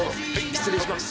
失礼いたします。